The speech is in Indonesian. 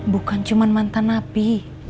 bukan cuman mantan api